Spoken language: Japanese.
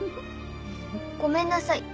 ごめんなさい